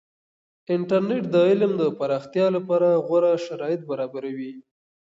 انټرنیټ د علم د پراختیا لپاره غوره شرایط برابروي.